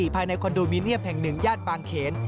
ภายในคอนโดมิเนียมแห่งหนึ่งย่านบางเขน